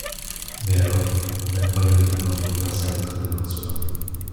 Mais alors, une incroyable terreur bouleversa les traits de Marcelin.